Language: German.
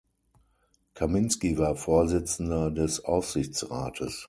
Kaminsky war Vorsitzender des Aufsichtsrates.